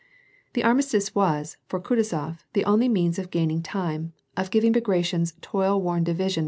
The armistice was, for Kutuzof, the only means of gaining time, of giving Bagration's toil worn division